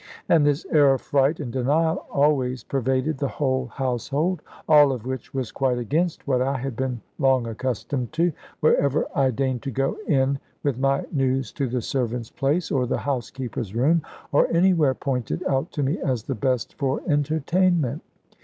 And this air of fright and denial always pervaded the whole household. All of which was quite against what I had been long accustomed to, wherever I deigned to go in with my news to the servants' place, or the housekeeper's room, or anywhere pointed out to me as the best for entertainment.